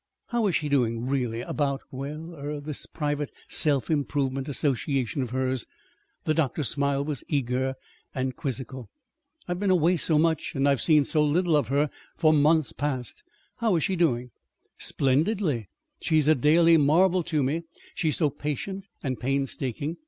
"How is she doing, really, about well, er this private self improvement association of hers?" The doctor's smile was eager and quizzical. "I've been away so much, and I've seen so little of her for months past how is she doing?" "Splendidly! She's a daily marvel to me, she's so patient and painstaking.